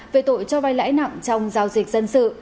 về tội cho vai lãi nặng trong giao dịch dân sự